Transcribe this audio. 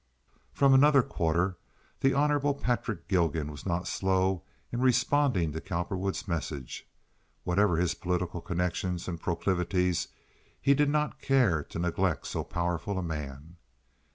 From another quarter, the Hon. Patrick Gilgan was not slow in responding to Cowperwood's message. Whatever his political connections and proclivities, he did not care to neglect so powerful a man.